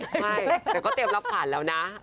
เดี๋ยวก็เตรียมรับผันแล้วนะ